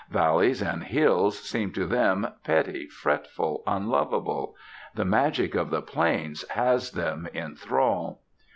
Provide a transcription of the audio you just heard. Valleys and hills seem to them petty, fretful, unlovable. The magic of the plains has them in thrall.